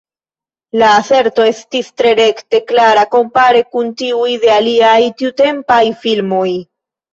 La aserto estis tre rekte klara kompare kun tiuj de aliaj tiutempaj filmoj.